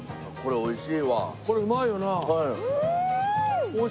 おいしい。